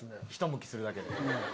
ひとむきするだけで。